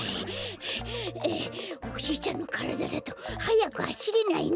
ゼエゼエおじいちゃんのからだだとはやくはしれないな。